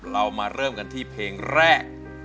เรามาเริ่มกันที่เพลงแรก